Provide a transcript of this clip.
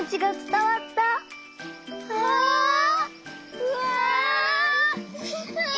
うわ！